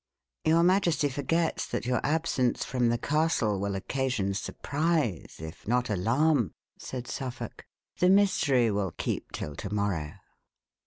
"Your majesty forgets that your absence from the castle will occasion surprise, if not alarm," said Suffolk. "The mystery will keep till to morrow."